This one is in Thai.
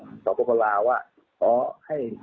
สวทธิศพลาวว่าขอให้